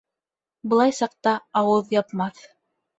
Былай саҡта ауыҙ япмаҫ